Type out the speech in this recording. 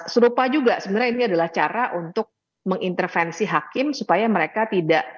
serupa juga sebenarnya ini adalah cara untuk mengintervensi hakim supaya mereka tidak